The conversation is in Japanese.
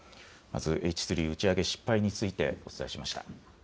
Ｈ３打ち上げ失敗についてお伝えしました。